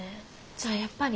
じゃあやっぱり。